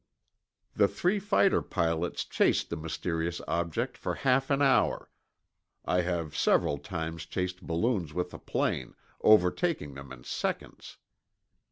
The three fighter pilots chased the mysterious object for half an hour. (I have several times chased balloons with a plane, overtaking them in seconds.)